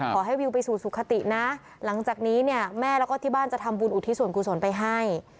ขอให้วิวไปสู่สุขตินะหลังจากนี้เนี่ยแม่แล้วก็ที่บ้านจะทำบุญอุทิศส่วนกุศลไปให้